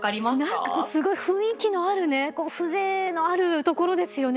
何かすごい雰囲気のある風情のある所ですよね。